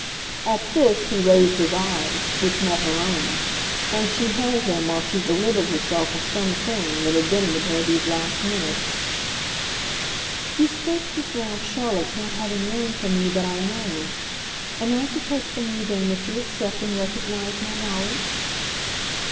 At this he raised his eyes, which met her own, and she held him while she delivered herself of some thing that had been with her these last minutes. "You spoke just now of Charlotte's not having learned from you that I 'know.' Am I to take from you then that you accept and recognise my knowledge?"